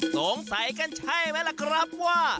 สงสัยกันใช่ไหมล่ะครับว่า